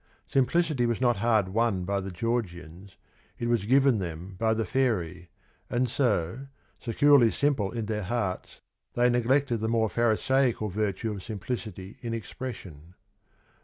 Simplicity was not hard won by the Georgians, it was given them by the fairy, and so, securely simple in their hearts, they neglected the more pharisaical virtue of simplicity in expression.